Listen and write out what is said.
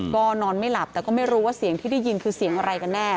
ก็นอนไม่หลับแต่ก็ไม่รู้ว่าเสียงที่ได้ยินคือเสียงอะไรกันแน่